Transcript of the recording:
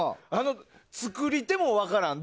作り手も分からん